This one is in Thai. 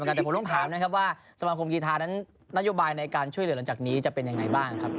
แต่ผมต้องถามนะครับว่าสมาคมกีธานั้นนโยบายในการช่วยเหลือหลังจากนี้จะเป็นยังไงบ้างครับ